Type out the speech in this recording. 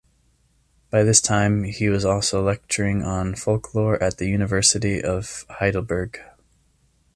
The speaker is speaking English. By this time he was also lecturing on folklore at the University of Heidelberg.